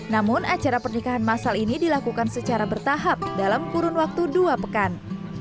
namun acara pernikahan masal ini dilakukan secara bertahap dalam kurun waktu dua pekan